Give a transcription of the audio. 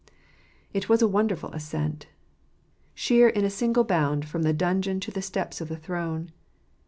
It was a wonderful ascent, sheer in a single bound from the dungeon to the steps of the throne.